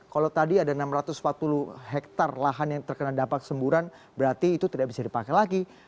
kalau tadi ada enam ratus empat puluh hektare lahan yang terkena dampak semburan berarti itu tidak bisa dipakai lagi